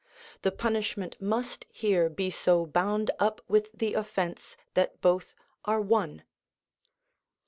The punishment must here be so bound up with the offence that both are one.